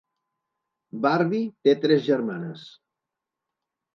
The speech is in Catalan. Barbie té tres germanes.